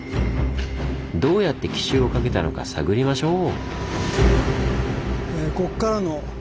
どうやって奇襲をかけたのか探りましょう！